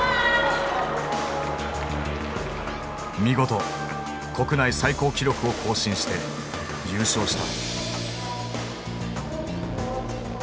見事国内最高記録を更新して優勝した。